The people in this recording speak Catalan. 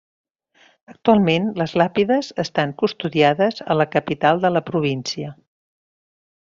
Actualment les làpides estan custodiades a la capital de la província.